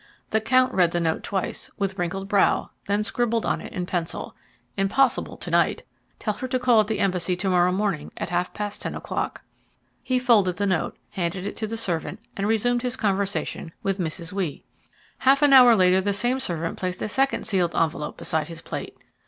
The count read the note twice, with wrinkled brow, then scribbled on it in pencil: "Impossible to night. Tell her to call at the embassy to morrow morning at half past ten o'clock." He folded the note, handed it to the servant, and resumed his conversation with Mrs. Wi. Half an hour later the same servant placed a second sealed envelope beside his plate.